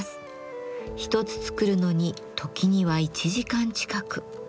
一つ作るのに時には１時間近く。